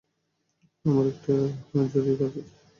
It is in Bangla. আমার একটা জরুরি কাজ আছে।